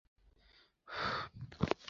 青河县是越南海阳省下辖的一个县。